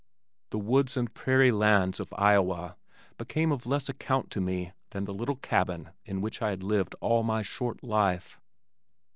"The woods and prairie lands" of Iowa became of less account to me than the little cabin in which I had lived all my short life.